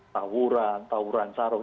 tawuran tawuran sarung